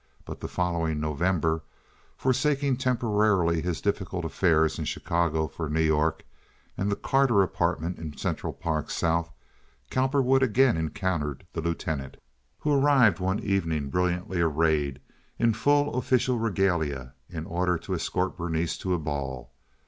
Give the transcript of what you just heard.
But the following November, forsaking temporarily his difficult affairs in Chicago for New York and the Carter apartment in Central Park South, Cowperwood again encountered the Lieutenant, who arrived one evening brilliantly arrayed in full official regalia in order to escort Berenice to a ball.